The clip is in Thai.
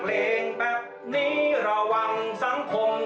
เป็นล้านอันทธาบาลไอ้คราบผู้ดี